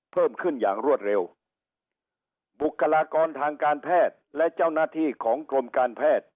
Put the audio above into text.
เพิ่มขึ้นอย่างรวดเร็วบุคลากรทางการแพทย์และเจ้าหน้าที่ของกรมการแพทย์